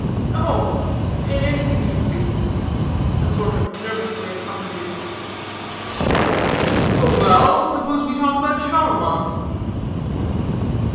"Oh, anything you please," a sort of nervously accommodating. "Well, suppose we talk about Charlemont?"